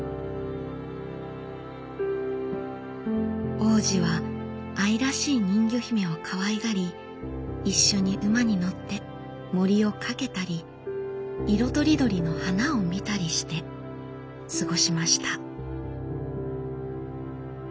王子は愛らしい人魚姫をかわいがり一緒に馬に乗って森を駆けたり色とりどりの花を見たりして過ごしました。